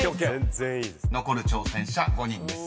［残る挑戦者５人です。